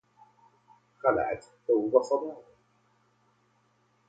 خلعت ثوب صباها